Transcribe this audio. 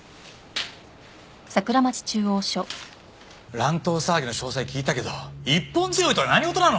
乱闘騒ぎの詳細聞いたけど一本背負いとは何事なの！？